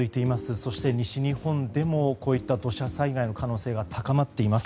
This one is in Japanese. そして、西日本でもこういった土砂災害の可能性が高まっています。